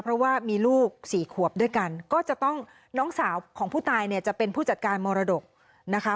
เพราะว่ามีลูกสี่ขวบด้วยกันก็จะต้องน้องสาวของผู้ตายเนี่ยจะเป็นผู้จัดการมรดกนะคะ